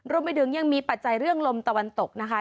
รวมไปถึงยังมีปัจจัยเรื่องลมตะวันตกนะคะ